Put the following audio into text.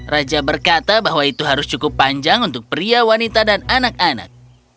raja berkata bahwa itu harus cukup panjang untuk pria wanita dan anak anak